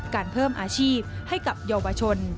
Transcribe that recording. การเพิ่มอาชีพให้กับเยาวชน